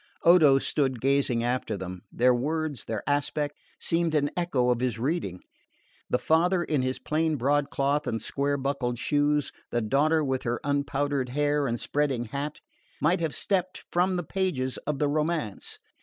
Odo stood gazing after them. Their words, their aspect, seemed an echo of his reading. The father in his plain broadcloth and square buckled shoes, the daughter with her unpowdered hair and spreading hat, might have stepped from the pages of the romance.